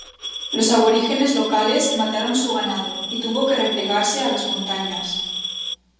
Los aborígenes locales mataron su ganado, y tuvo que replegarse a las montañas.